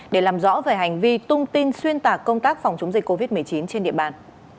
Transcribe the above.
để làm rõ về hành vi tung tin xuyên tạc công tác phòng chống dịch covid một mươi chín trên địa bàn